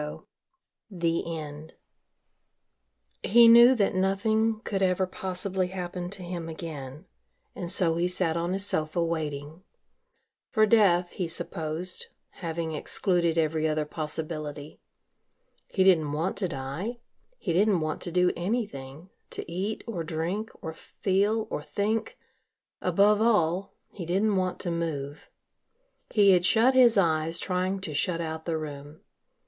IX THE END He knew that nothing could ever possibly happen to him again and so he sat on his sofa waiting for death, he supposed, having excluded every other possibility. He didn't want to die, he didn't want to do anything, to eat or drink or feel or think above all, he didn't want to move. He had shut his eyes trying to shut out the room.